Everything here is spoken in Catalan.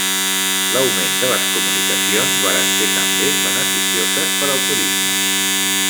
L'augment de les comunicacions varen ser també beneficioses per al turisme.